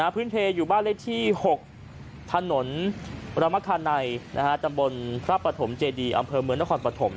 พื้นเพลอยู่บ้านเลขที่๖ถนนรมคาไนตำบลพระปฐมเจดีอำเภอเมืองนครปฐม